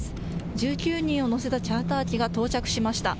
１９人を乗せたチャーター機が到着しました。